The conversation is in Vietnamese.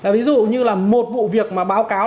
ví dụ như là một vụ việc mà báo cáo